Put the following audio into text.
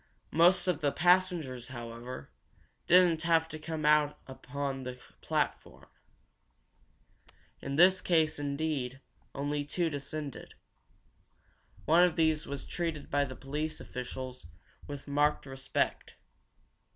Most of the passengers, however, didn't have to come out on the platform. In this case, indeed, only two descended. One of these was treated by the police officials with marked respect.